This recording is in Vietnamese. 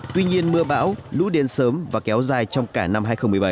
tuy nhiên mưa bão lũ đến sớm và kéo dài trong cả năm hai nghìn một mươi bảy